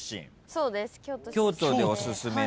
そうです。